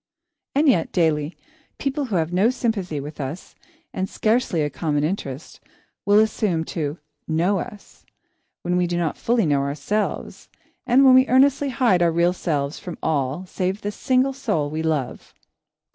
And yet, daily, people who have no sympathy with us, and scarcely a common interest, will assume to "know" us, when we do not fully know ourselves, and when we earnestly hide our real selves from all save the single soul we love.